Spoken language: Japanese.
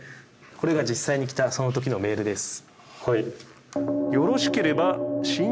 これが実際に来たそのときのメールです。